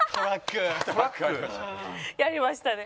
やりましたね。